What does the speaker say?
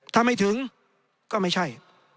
ถ้าไม่ถึงก็ไม่ใช่